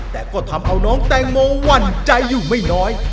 แต่ก็ทำเอาน้องแตงโมหวั่นใจอยู่ไม่น้อย